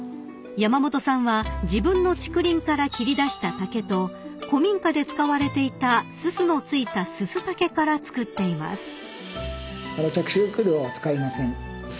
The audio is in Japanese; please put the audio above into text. ［山本さんは自分の竹林から切り出した竹と古民家で使われていたすすの付いたすす竹から作っています］